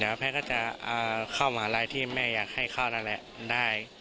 เดี๋ยวแม่ก็จะเข้ามหาวิทยาลัยที่แม่อยากให้เข้านั่นแหละได้